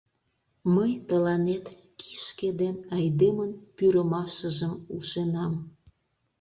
Мый тыланет Кишке ден Айдемын пӱрымашыжым ушенам.